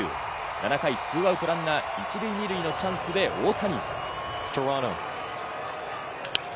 ７回２アウト、ランナー１塁２塁のチャンスで大谷。